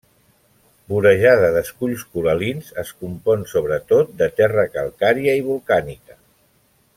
Vorejada d'esculls coral·lins, es compon sobretot de terra calcària i volcànica.